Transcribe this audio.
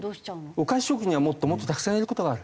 お菓子職人はもっともっとたくさんやる事がある。